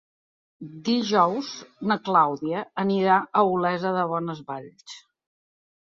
Dijous na Clàudia anirà a Olesa de Bonesvalls.